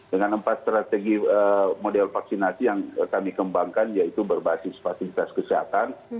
dengan empat strategi model vaksinasi yang kami kembangkan yaitu berbasis fasilitas kesehatan